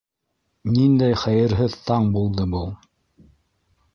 Ниндәй хәйерһеҙ таң булды был?!